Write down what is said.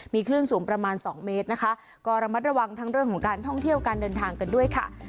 มีคลื่นสูงประมาณสองเมตรนะคะก็ระมัดระวังทั้งเรื่องของการท่องเที่ยวการเดินทางกันด้วยค่ะ